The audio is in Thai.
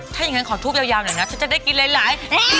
ถ้าอย่างเงี้ยขอทูบหน่อยนะฉันจะได้กินร้าย